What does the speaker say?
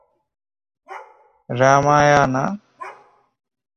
রাম্যায়া, না!